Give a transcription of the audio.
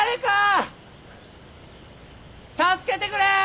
助けてくれー！